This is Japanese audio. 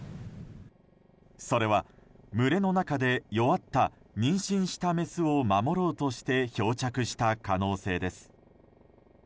それは、群れの中で弱った妊娠したメスを守ろうとして漂着した可能性です。